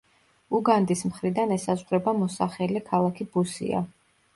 უგანდის მხრიდან ესაზღვრება მოსახელე ქალაქი ბუსია.